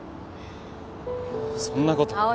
そんなこと。